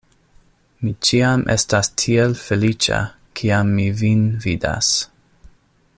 Mi ĉiam estas tiel feliĉa, kiam mi vin vidas!